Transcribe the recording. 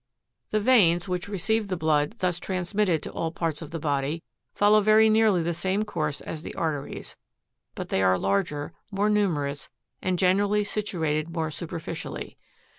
33. The veins, which receive the blood thus transmitted to all parts of the body, follow very nearly the same course as the arteries; but they are larger, more numerous and generally situ ated more superficially.